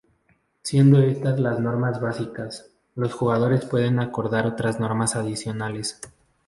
Siendo estas las normas básicas, los jugadores pueden acordar otras normas adicionales.